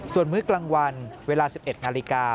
ส่วนมื้อกลางวันเวลา๑๑นาฬิกา